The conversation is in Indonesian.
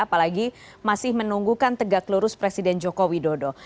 apalagi masih menunggukan tegak lurus presiden joko widodo